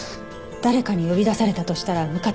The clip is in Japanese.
誰かに呼び出されたとしたら向かった先は？